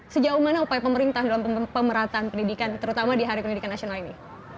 sejauh mana upaya pemerintah dalam pemerataan pendidikan terutama di hari pendidikan nasional ini